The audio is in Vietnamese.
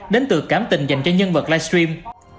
đến từ cảm tình dành cho nhân vật live stream